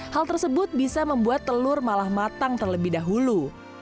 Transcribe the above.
hal tersebut bisa membuat telur malah matang terlebih dahulu